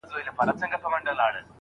هم پردې سي هم غلیم د خپل تربور وي